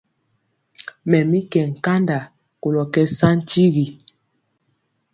Mɛ mi nkanda kolɔ kɛ saŋ tigi.